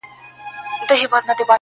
چي تلاوت وي ورته خاندي، موسيقۍ ته ژاړي.